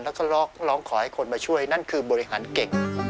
แล้วก็ร้องขอให้คนมาช่วยนั่นคือบริหารเก่ง